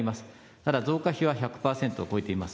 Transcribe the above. ただ増加比は１００％を超えています。